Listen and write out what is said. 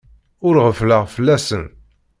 Ur ɣeffleɣ fell-asen.